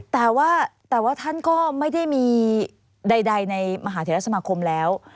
แต่ว่าท่านก็ไม่ได้มีใดในมหาเทรสมาคมแล้ว